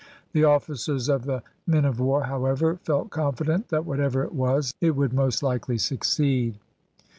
The officers of the men of war, however, felt confident that whatever it was, it would most likely succeed.